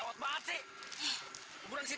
weh kemuran ben